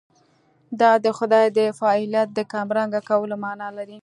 دا د خدای د فاعلیت د کمرنګه کولو معنا لري.